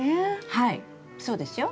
はいそうですよ。